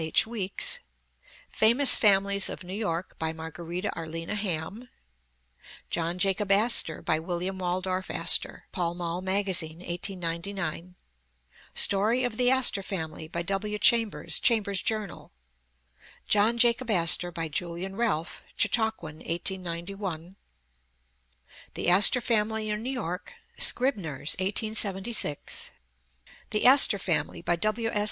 H. Weeks ; Famous Families of New York, by Margherita Arlina Hamm; John Jacob As tor, by William Waldorf Astor, Pall Mall Magazine, XII FORE WORD 1899; Story of the Astor Family, by W. Chambers, Chambers' Journal; John Jacob Astor, by Julian Ralph, Chautauquan, 1891; The Astor Family in New York, Seribner's, 1876; The Astor Family, by W. S.